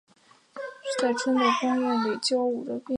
洛特生于英国伦敦东南的布罗姆利区。